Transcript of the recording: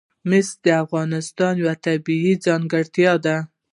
مس د افغانستان یوه طبیعي ځانګړتیا ده.